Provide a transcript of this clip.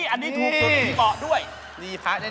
อันนี้ถูกสุดมีเบาะด้วย